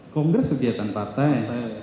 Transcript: kongres kegiatan partai